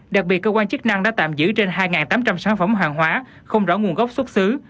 đặc biệt cơ quan chức năng đã tạm giữ trên hai tám trăm linh sản phẩm hàng hóa không rõ nguồn gốc xuất xứ